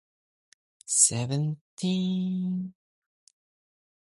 In Benishangul-Gumuz Region, the Benishangul-Gumuz People's Democratic Unity Front predominates.